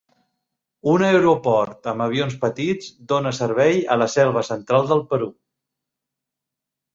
Un aeroport amb avions petits dóna servei a la Selva Central del Perú.